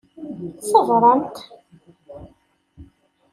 Ṣebṛemt!